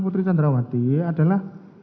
putri candrawati adalah